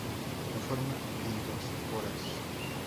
No forma endosporas.